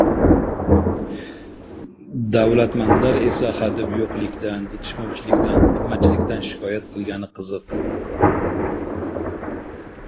Davlatmandlar esa xadeb yo‘qlikdan, yetishmovchilikdan, qimmatchilikdan shikoyat qilgani qiziq!